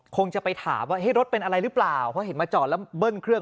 คงจะไปถามว่ารถเป็นอะไรหรือเปล่าเพราะเห็นมาจอดแล้วเบิ้ลเครื่อง